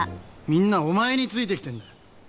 「みんなお前についてきてんだ」